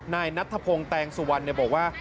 นายนัทธพงศ์แตงสุวรรณบอกว่า